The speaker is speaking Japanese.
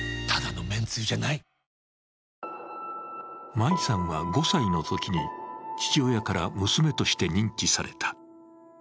舞さんは５歳のときに父親から娘として認知された。